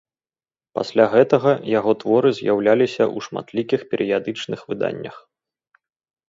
Пасля гэтага яго творы з'яўляліся ў шматлікіх перыядычных выданнях.